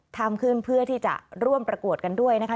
ทำขึ้นเพื่อที่จะร่วมประกวดกันด้วยนะคะ